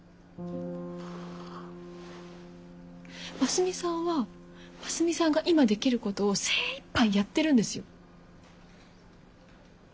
ますみさんはますみさんが今できることを精いっぱいやってるんですよ。